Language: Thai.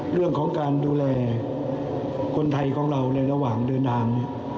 เรื่องของการดูแลคนไทยของเราในระหว่างเดินทาง